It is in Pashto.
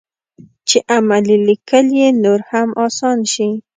چې عملي لیکل یې نور هم اسان شي.